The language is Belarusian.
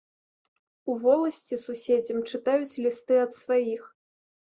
У воласці суседзям чытаюць лісты ад сваіх.